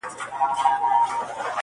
گراني بس څو ورځي لاصبر وكړه.